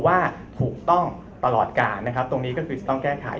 ว่าถูกต้องตลอดการนะครับตรงนี้ก็คือจะต้องแก้ไข